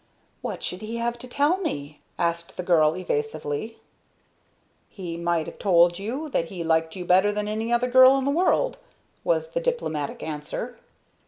"What should he have to tell me?" asked the girl, evasively. "He might have tould you that he liked you better than any other girl in the world," was the diplomatic answer.